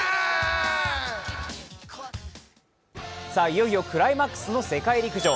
いよいよクライマックスの世界陸上。